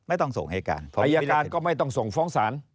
อายการก็ไม่ต้องส่งฟ้องสาร